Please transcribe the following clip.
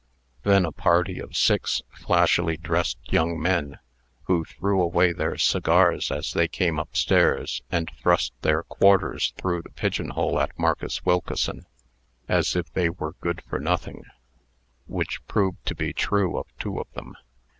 Then a party of six flashily dressed young men, who threw away their cigars as they came up stairs, and thrust their quarters through the pigeon hole at Marcus Wilkeson, as if they were good for nothing which proved to be true of two of them.